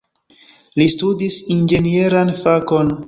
Li studis inĝenieran fakon.